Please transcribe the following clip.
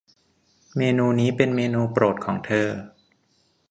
เมนูนี้เป็นเมนูโปรดของเธอ